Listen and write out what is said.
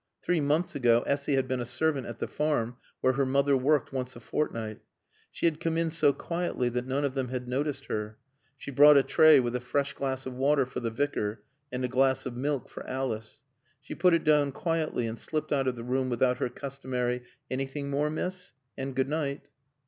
Three months ago Essy had been a servant at the Farm where her mother worked once a fortnight. She had come in so quietly that none of them had noticed her. She brought a tray with a fresh glass of water for the Vicar and a glass of milk for Alice. She put it down quietly and slipped out of the room without her customary "Anything more, Miss?" and "Good night."